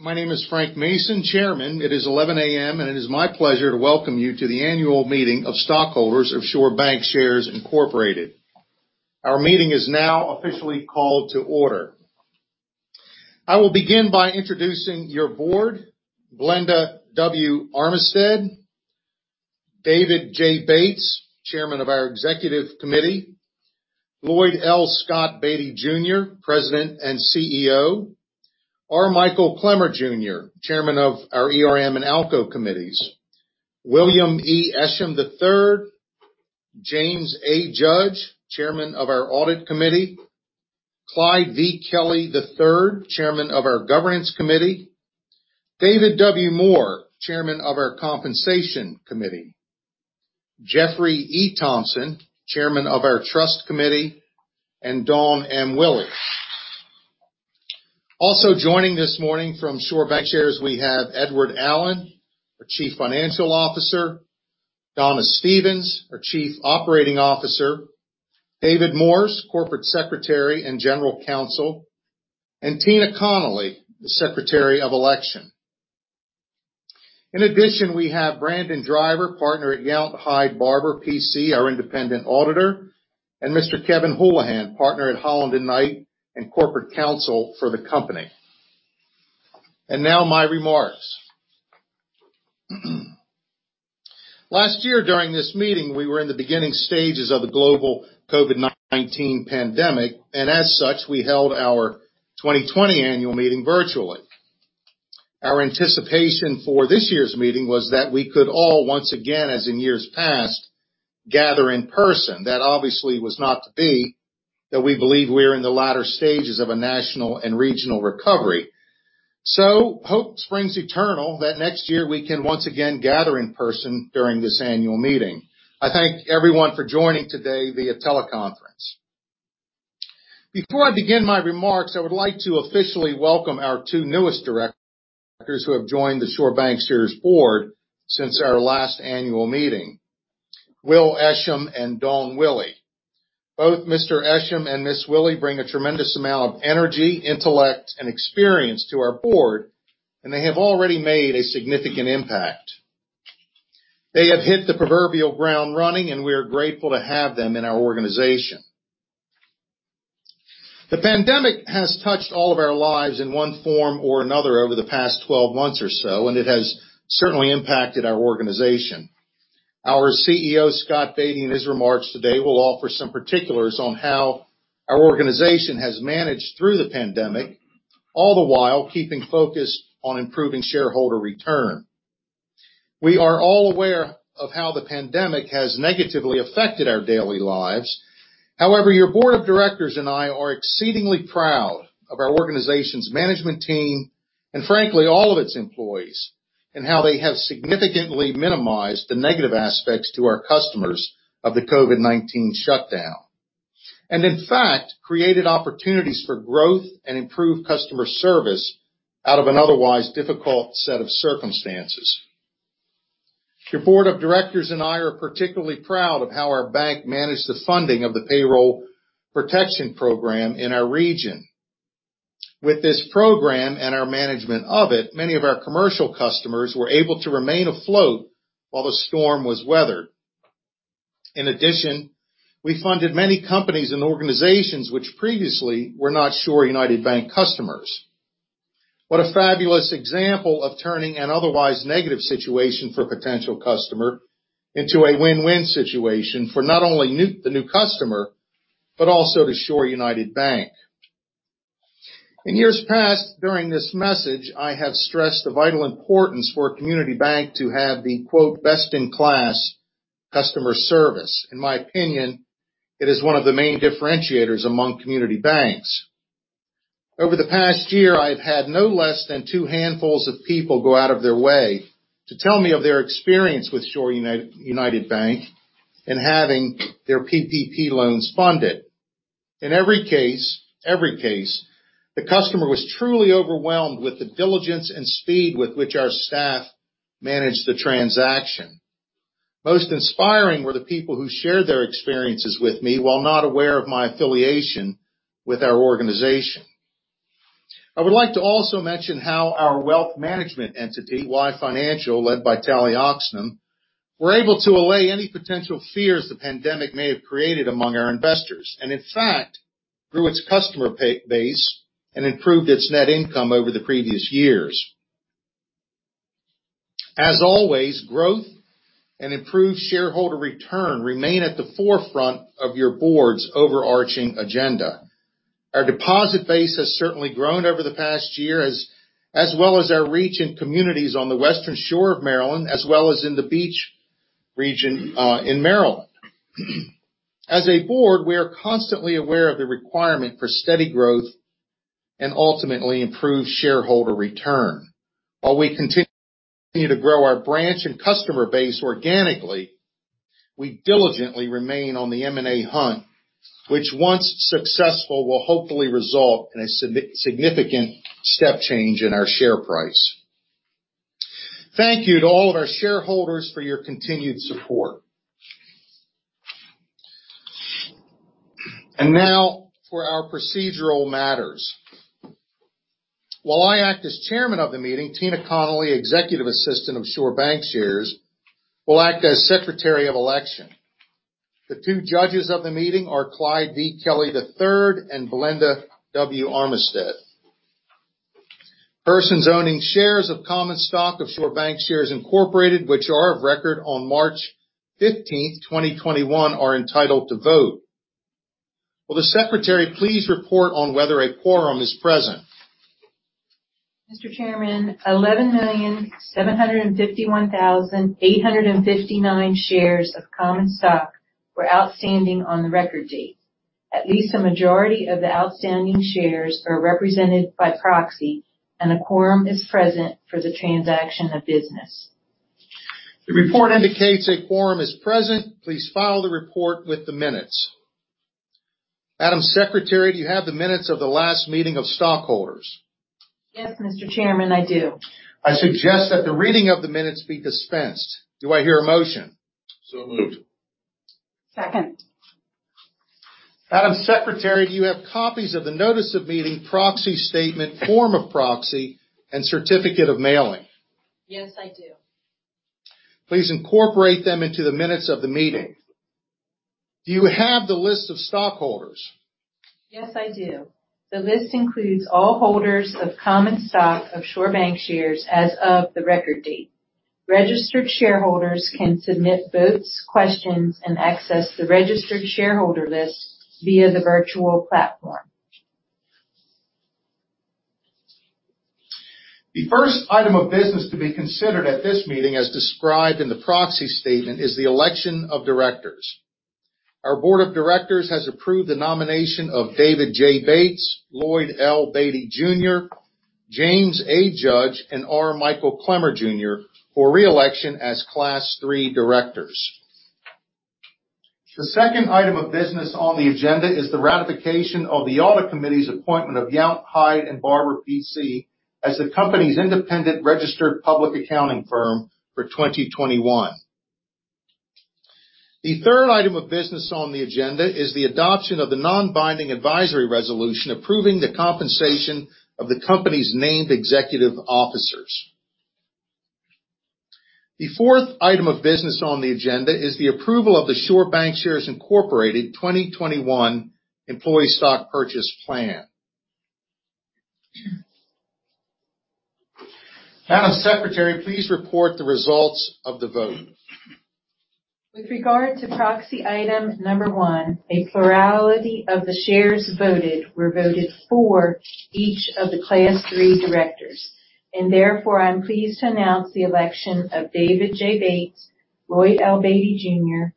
My name is Frank Mason, Chairman. It is 11:00 A.M., and it is my pleasure to welcome you to the annual meeting of stockholders of Shore Bancshares, Inc. Our meeting is now officially called to order. I will begin by introducing your board, Blenda W. Armistead; David J. Bates, Chairman of our executive committee; Lloyd L. "Scott" Beatty, Jr., President and CEO; R. Michael Clemmer, Jr., Chairman of our ERM and ALCO committees; William E. Esham III; James A. Judge, Chairman of our audit committee; Clyde V. Kelly III, Chairman of our governance committee; David W. Moore, Chairman of our compensation committee; Jeffrey E. Thompson, Chairman of our trust committee; and Dawn M. Willey. Also joining this morning from Shore Bancshares, we have Edward Allen, our Chief Financial Officer; Donna Stevens, our Chief Operating Officer; David Morse, Corporate Secretary and General Counsel; and Tina Connolly, the Secretary of Election. In addition, we have Brandon Driver, partner at Yount, Hyde & Barbour, PC, our independent auditor, and Mr. Kevin Houlihan, partner at Holland & Knight and Corporate Counsel for the company. Now my remarks. Last year during this meeting, we were in the beginning stages of the global COVID-19 pandemic, and as such, we held our 2020 annual meeting virtually. Our anticipation for this year's meeting was that we could all, once again, as in years past, gather in person. That obviously was not to be, though we believe we are in the latter stages of a national and regional recovery. Hope springs eternal that next year we can once again gather in person during this annual meeting. I thank everyone for joining today via teleconference. Before I begin my remarks, I would like to officially welcome our two newest directors who have joined the Shore Bancshares board since our last annual meeting, Will Esham and Dawn Willey. Both Mr. Esham and Ms. Willey bring a tremendous amount of energy, intellect, and experience to our board, and they have already made a significant impact. They have hit the proverbial ground running, and we are grateful to have them in our organization. The pandemic has touched all of our lives in one form or another over the past 12 months or so, and it has certainly impacted our organization. Our CEO, Scott Beatty, in his remarks today, will offer some particulars on how our organization has managed through the pandemic, all the while keeping focused on improving shareholder return. We are all aware of how the pandemic has negatively affected our daily lives. However, your board of directors and I are exceedingly proud of our organization's management team, and frankly all of its employees, and how they have significantly minimized the negative aspects to our customers of the COVID-19 shutdown. In fact, created opportunities for growth and improved customer service out of an otherwise difficult set of circumstances. Your board of directors and I are particularly proud of how our bank managed the funding of the Payroll Protection Program in our region. With this program and our management of it, many of our commercial customers were able to remain afloat while the storm was weathered. In addition, we funded many companies and organizations which previously were not Shore United Bank customers. What a fabulous example of turning an otherwise negative situation for a potential customer into a win-win situation for not only the new customer, but also to Shore United Bank. In years past, during this message, I have stressed the vital importance for a community bank to have the, quote, "best in class customer service." In my opinion, it is one of the main differentiators among community banks. Over the past year, I've had no less than two handfuls of people go out of their way to tell me of their experience with Shore United Bank in having their PPP loans funded. In every case, the customer was truly overwhelmed with the diligence and speed with which our staff managed the transaction. Most inspiring were the people who shared their experiences with me while not aware of my affiliation with our organization. I would like to also mention how our wealth management entity, Wye Financial, led by Talli Oxnam, were able to allay any potential fears the pandemic may have created among our investors, and in fact, grew its customer base and improved its net income over the previous years. As always, growth and improved shareholder return remain at the forefront of your board's overarching agenda. Our deposit base has certainly grown over the past year as well as our reach in communities on the western shore of Maryland as well as in the beach region in Maryland. As a board, we are constantly aware of the requirement for steady growth and ultimately improved shareholder return. While we continue to grow our branch and customer base organically, we diligently remain on the M&A hunt, which once successful, will hopefully result in a significant step change in our share price. Thank you to all of our shareholders for your continued support. Now for our procedural matters. While I act as chairman of the meeting, Tina Connolly, Executive Assistant of Shore Bancshares, will act as Secretary of Election. The two judges of the meeting are Clyde V. Kelly III and Blenda W. Armistead. Persons owning shares of common stock of Shore Bancshares, Incorporated, which are of record on March 15th, 2021, are entitled to vote. Will the secretary please report on whether a quorum is present? Mr. Chairman, 11,751,859 shares of common stock were outstanding on the record date. At least a majority of the outstanding shares are represented by proxy, and a quorum is present for the transaction of business. The report indicates a quorum is present. Please file the report with the minutes. Madam Secretary, do you have the minutes of the last meeting of stockholders? Yes, Mr. Chairman, I do. I suggest that the reading of the minutes be dispensed. Do I hear a motion? Moved. Second. Madam Secretary, do you have copies of the notice of meeting, proxy statement, form of proxy, and certificate of mailing? Yes, I do. Please incorporate them into the minutes of the meeting. Do you have the list of stockholders? Yes, I do. The list includes all holders of common stock of Shore Bancshares as of the record date. Registered shareholders can submit votes, questions, and access the registered shareholder list via the virtual platform. The first item of business to be considered at this meeting, as described in the proxy statement, is the election of directors. Our board of directors has approved the nomination of David J. Bates, Lloyd L. Beatty Jr., James A. Judge, and R. Michael Clemmer Jr. for re-election as Class 3 directors. The second item of business on the agenda is the ratification of the audit committee's appointment of Yount, Hyde & Barbour, PC as the company's independent registered public accounting firm for 2021. The third item of business on the agenda is the adoption of the non-binding advisory resolution approving the compensation of the company's named executive officers. The fourth item of business on the agenda is the approval of the Shore Bancshares, Inc 2021 Employee Stock Purchase Plan. Madam Secretary, please report the results of the vote. With regard to proxy item number one, a plurality of the shares voted were voted for each of the Class 3 directors. Therefore, I'm pleased to announce the election of David J. Bates, Lloyd L. Beatty Jr.,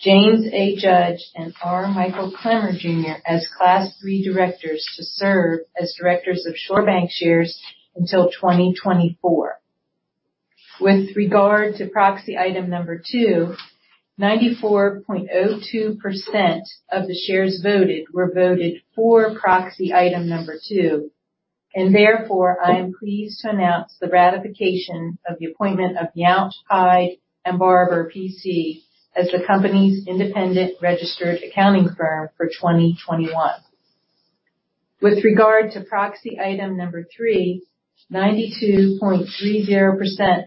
James A. Judge, and R. Michael Clemmer Jr. as Class 3 directors to serve as directors of Shore Bancshares until 2024. With regard to proxy item number two, 94.02% of the shares voted were voted for proxy item number two. Therefore, I am pleased to announce the ratification of the appointment of Yount, Hyde & Barbour, PC as the company's independent registered accounting firm for 2021. With regard to proxy item number three, 92.30%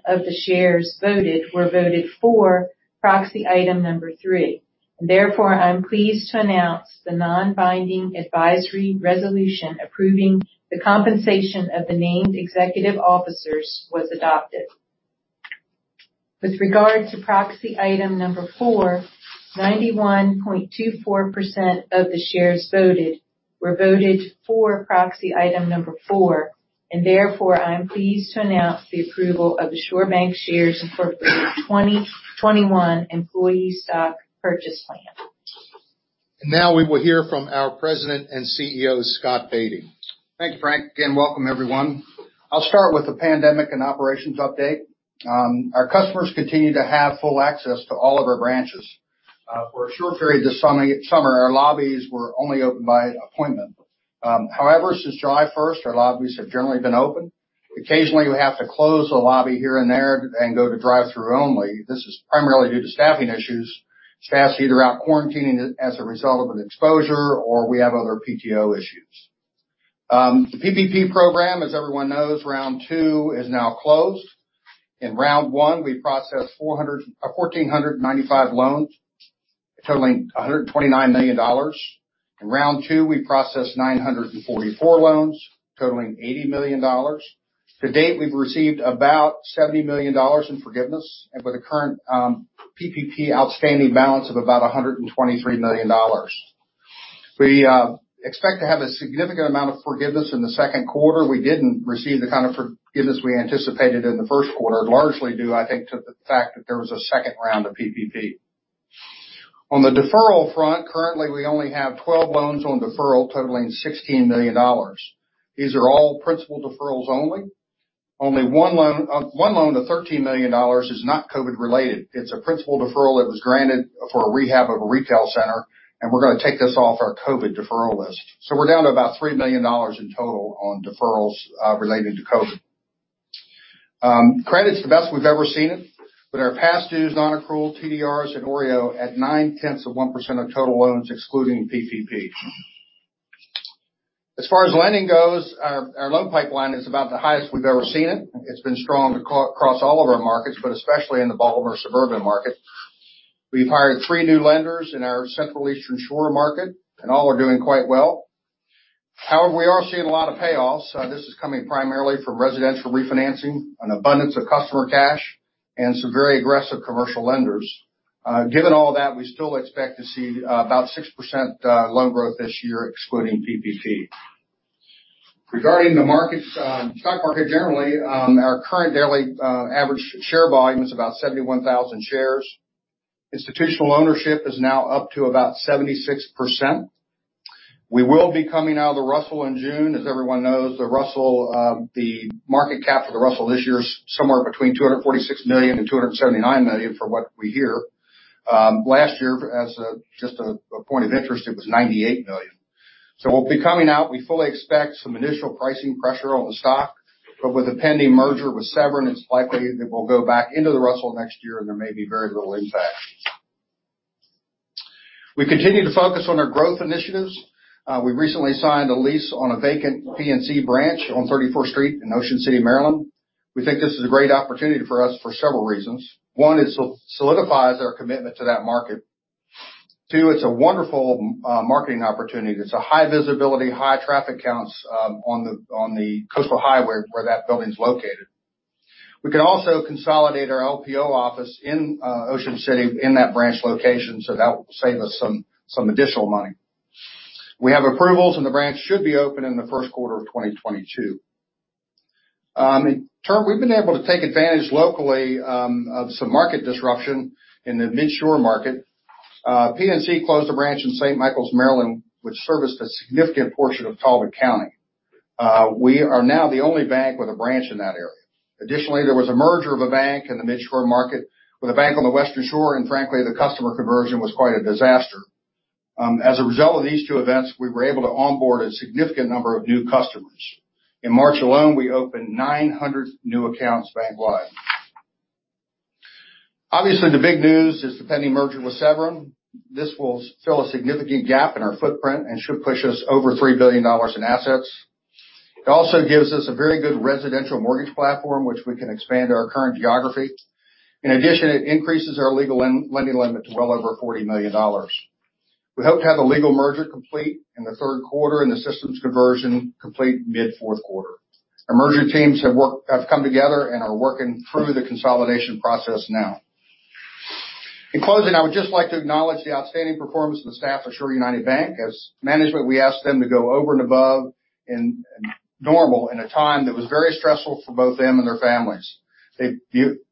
of the shares voted were voted for proxy item number three. Therefore, I'm pleased to announce the non-binding advisory resolution approving the compensation of the named executive officers was adopted. With regard to proxy item number four, 91.24% of the shares voted were voted for proxy item number four, and therefore, I am pleased to announce the approval of the Shore Bancshares, Inc 2021 Employee Stock Purchase Plan. Now we will hear from our President and CEO, Scott Beatty. Thank you, Frank, and welcome everyone. I'll start with the pandemic and operations update. Our customers continue to have full access to all of our branches. For a short period this summer, our lobbies were only open by appointment. However, since July 1st, our lobbies have generally been open. Occasionally, we have to close a lobby here and there and go to drive-through only. This is primarily due to staffing issues. Staff's either out quarantining as a result of an exposure, or we have other PTO issues. The PPP program, as everyone knows, round two is now closed. In round one, we processed 1,495 loans totaling $129 million. In round two, we processed 944 loans totaling $80 million. To date, we've received about $70 million in forgiveness, and with a current PPP outstanding balance of about $123 million. We expect to have a significant amount of forgiveness in the second quarter. We didn't receive the kind of forgiveness we anticipated in the first quarter, largely due, I think, to the fact that there was a second round of PPP. On the deferral front, currently, we only have 12 loans on deferral totaling $16 million. These are all principal deferrals only. Only one loan of $13 million is not COVID related. It's a principal deferral that was granted for a rehab of a retail center, and we're going to take this off our COVID deferral list. We're down to about $3 million in total on deferrals, related to COVID. Credit is the best we've ever seen it, with our past dues non-accrual TDRs and OREO at 0.9% of total loans excluding PPP. As far as lending goes, our loan pipeline is about the highest we've ever seen it. It's been strong across all of our markets, but especially in the Baltimore suburban market. We've hired three new lenders in our Central Eastern Shore market, and all are doing quite well. However, we are seeing a lot of payoffs. This is coming primarily from residential refinancing, an abundance of customer cash, and some very aggressive commercial lenders. Given all that, we still expect to see about 6% loan growth this year excluding PPP. Regarding the stock market generally, our current daily average share volume is about 71,000 shares. Institutional ownership is now up to about 76%. We will be coming out of the Russell in June. As everyone knows, the market cap for the Russell this year is somewhere between $246 million and $279 million from what we hear. Last year, as just a point of interest, it was $98 million. We'll be coming out. We fully expect some initial pricing pressure on the stock, but with the pending merger with Severn, it's likely that we'll go back into the Russell next year, and there may be very little impact. We continue to focus on our growth initiatives. We recently signed a lease on a vacant PNC branch on 34th Street in Ocean City, Maryland. We think this is a great opportunity for us for several reasons. One, it solidifies our commitment to that market. Two, it's a wonderful marketing opportunity. It's a high visibility, high traffic counts on the Coastal Highway where that building's located. We can also consolidate our LPO office in Ocean City in that branch location, so that will save us some additional money. We have approvals, and the branch should be open in the first quarter of 2022. In turn, we've been able to take advantage locally of some market disruption in the mid-shore market. PNC closed a branch in St. Michaels, Maryland, which serviced a significant portion of Talbot County. We are now the only bank with a branch in that area. Additionally, there was a merger of a bank in the mid-shore market with a bank on the western shore, and frankly, the customer conversion was quite a disaster. As a result of these two events, we were able to onboard a significant number of new customers. In March alone, we opened 900 new accounts bank-wide. Obviously, the big news is the pending merger with Severn. This will fill a significant gap in our footprint and should push us over $3 billion in assets. It also gives us a very good residential mortgage platform, which we can expand our current geography. In addition, it increases our legal lending limit to well over $40 million. We hope to have the legal merger complete in the third quarter and the systems conversion complete mid fourth quarter. Our merger teams have come together and are working through the consolidation process now. In closing, I would just like to acknowledge the outstanding performance of the staff of Shore United Bank. As management, we asked them to go over and above normal in a time that was very stressful for both them and their families. They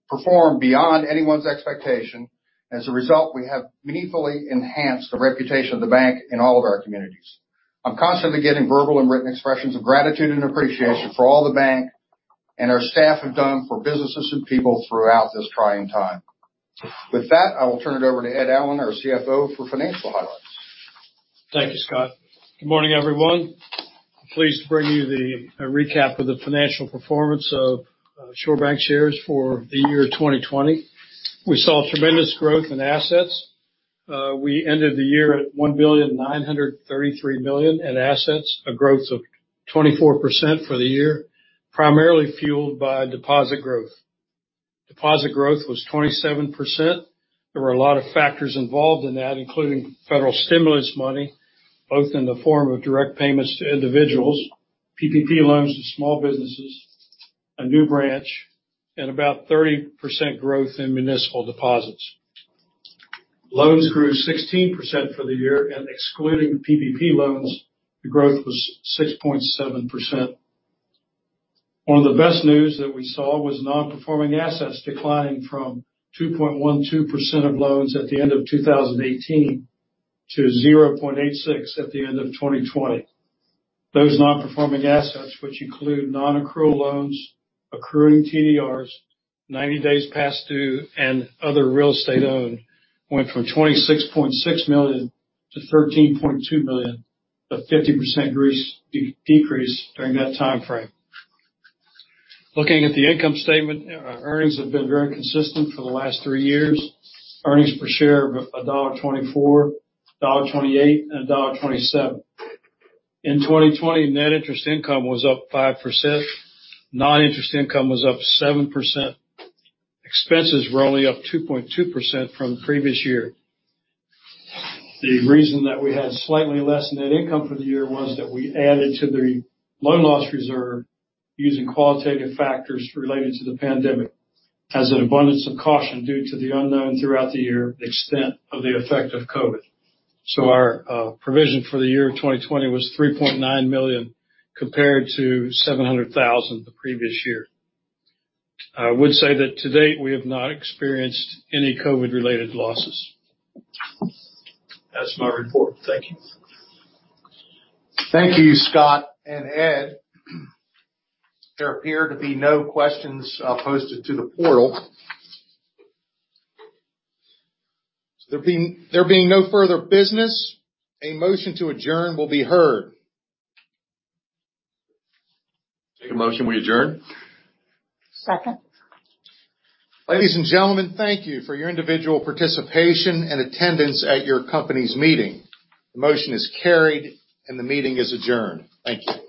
performed beyond anyone's expectation. As a result, we have meaningfully enhanced the reputation of the bank in all of our communities. I'm constantly getting verbal and written expressions of gratitude and appreciation for all the bank and our staff have done for businesses and people throughout this trying time. With that, I will turn it over to Edward Allen, our CFO, for financial highlights. Thank you, Scott. Good morning, everyone. Pleased to bring you the recap of the financial performance of Shore Bancshares for the year 2020. We saw tremendous growth in assets. We ended the year at $1.933 billion in assets, a growth of 24% for the year, primarily fueled by deposit growth. Deposit growth was 27%. There were a lot of factors involved in that, including federal stimulus money, both in the form of direct payments to individuals, PPP loans to small businesses, a new branch, and about 30% growth in municipal deposits. Loans grew 16% for the year and excluding PPP loans, the growth was 6.7%. One of the best news that we saw was non-performing assets declining from 2.12% of loans at the end of 2018 to 0.86 at the end of 2020. Those non-performing assets, which include non-accrual loans, accruing TDRs, 90 days past due, and other real estate owned, went from $26.6 million to $13.2 million, a 50% decrease during that time frame. Looking at the income statement, earnings have been very consistent for the last three years. Earnings per share of $1.24, $1.28, and $1.27. In 2020, net interest income was up 5%. Non-interest income was up 7%. Expenses were only up 2.2% from the previous year. The reason that we had slightly less net income for the year was that we added to the loan loss reserve using qualitative factors related to the pandemic as an abundance of caution due to the unknown throughout the year extent of the effect of COVID. Our provision for the year 2020 was $3.9 million compared to $700,000 the previous year. I would say that to date, we have not experienced any COVID related losses. That's my report. Thank you. Thank you, Scott and Ed. There appear to be no questions posted to the portal. There being no further business, a motion to adjourn will be heard. Make a motion we adjourn. Second. Ladies and gentlemen, thank you for your individual participation and attendance at your company's meeting. The motion is carried and the meeting is adjourned. Thank you.